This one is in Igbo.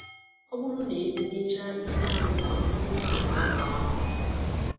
Ọ bụrụ na e tinyechaa ihe anọ a n'ime akpa agwụ ahụ